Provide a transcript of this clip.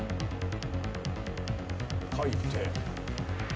書いて。